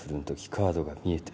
カードが見えてる。